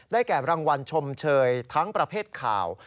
แก่รางวัลชมเชยทั้งประเภทข่าว